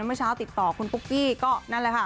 เมื่อเช้าติดต่อคุณปุ๊กกี้ก็นั่นแหละค่ะ